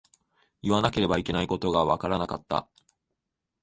言わなければいけないことがわからなかった。